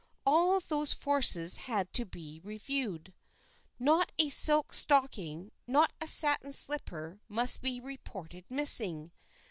All those forces had to be reviewed. Not a silk stocking not a satin slipper must be reported missing.